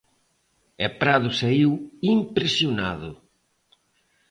E Prado saíu "impresionado".